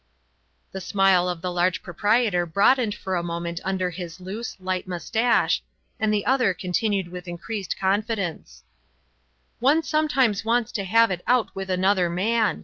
The smile of the large proprietor broadened for a moment under his loose, light moustache, and the other continued with increased confidence: "One sometimes wants to have it out with another man.